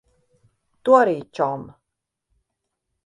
Tu arī, čom.